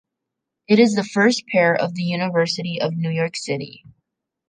It is the first pair of the University of New York City.